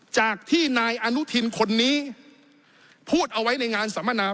จากที่นายอนุทินคนนี้พูดเอาไว้ในงานสัมมนา